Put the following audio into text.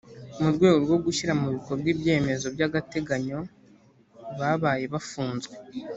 murwego rwo gushyira mu bikorwa ibyemezo byagateganyo babaye bafunzwe